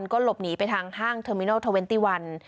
ก็หลบหนีไปทางห้างเทอร์มินัล๒๑